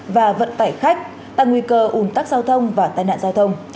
và vận tải khách tăng nguy cơ ủn tắc giao thông và tai nạn giao thông